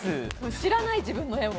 知らない、自分の絵を。